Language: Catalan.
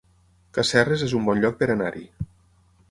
Casserres es un bon lloc per anar-hi